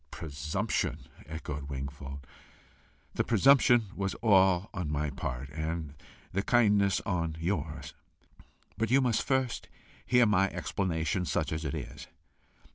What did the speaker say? "Presumption!" echoed Wingfold. "The presumption was all on my part, and the kindness on yours. But you must first hear my explanation, such as it is.